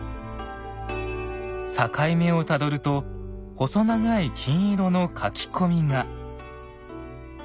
境目をたどると細長い金色の描き込みが。